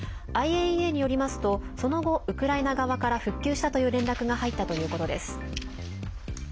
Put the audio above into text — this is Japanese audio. ＩＡＥＡによりますとその後、ウクライナ側から復旧したという連絡が入ったということです。